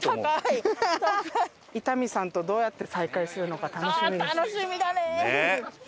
伊丹さんとどうやって再会するのか楽しみです。